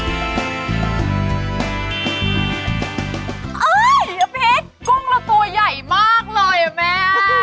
เอ๊ยแอะเภทคุณละตัวใหญ่มากเลยอะแม่